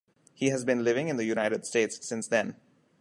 He has been living in the United States since then.